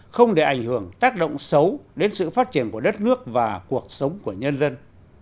không để ảnh hưởng tác động xấu đến sự phát triển của đất nước và cuộc sống của nhân dân